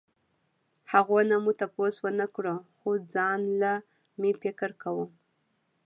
هغو نه مو تپوس ونکړو خو ځانله مې فکر کوو